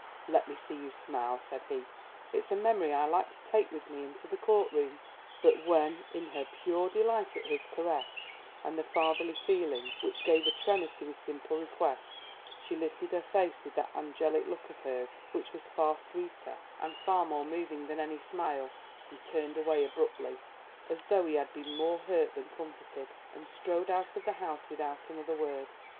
"Let me see you smile," said he. "It's a memory I like to take with me into the court room." But when in her pure delight at his caress and the fatherly feeling which gave a tremor to his simple request, she lifted her face with that angelic look of hers which was far sweeter and far more moving than any smile, he turned away abruptly as though he had been more hurt than comforted, and strode out of the house without another word.